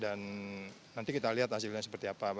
dan nanti kita lihat hasilnya seperti apa